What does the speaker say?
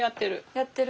やってる？